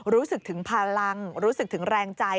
รู้สึกถึงพลังรู้สึกถึงแรงใจ